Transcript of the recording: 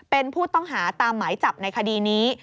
เป็นผู้ต้องหาตามหมายจับในคดีนี้